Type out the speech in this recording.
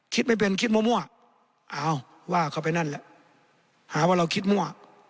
คิดไม่เป็นคิดมั่วอ้าวว่าเขาไปนั่นแหละหาว่าเราคิดมั่ว